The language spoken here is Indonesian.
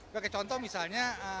bagaimana contoh misalnya